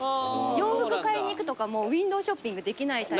洋服買いに行くとかもウインドーショッピングできないタイプで。